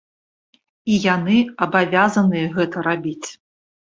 І яны абавязаныя гэта рабіць.